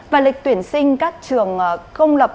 và lịch tuyển sinh các trường công lập